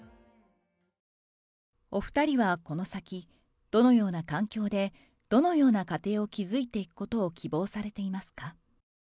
お２人はこの先、どのような環境で、どのような家庭を築いていくことを希望されていますか？